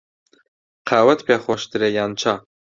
قاوەت پێ خۆشترە یان چا؟